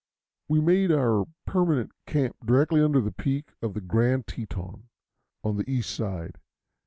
We made our permanent camp directly under the peak of the Grand Teton, on the east side.